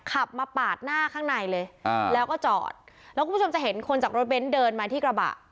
ขับมาปาดหน้าข้างในเลยอ่าแล้วก็จอดแล้วคุณผู้ชมจะเห็นคนจากรถเบ้นเดินมาที่กระบะ